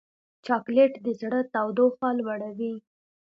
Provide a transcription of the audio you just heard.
چاکلېټ د زړه تودوخه لوړوي.